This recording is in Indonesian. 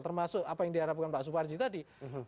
termasuk apa yang diharapkan pak suparji tadi